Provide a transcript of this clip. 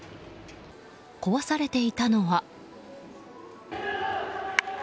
壊されていたのは。